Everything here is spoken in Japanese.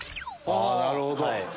なるほど。